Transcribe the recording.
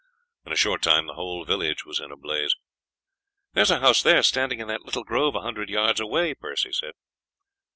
In a short time the whole village was in a blaze. "There is a house there, standing in that little grove a hundred yards away," Percy said.